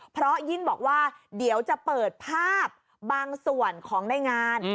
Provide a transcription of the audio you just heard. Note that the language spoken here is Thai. เพราะยิ่งบอกว่าเดี๋ยวจะเปิดภาพบางส่วนของในงาน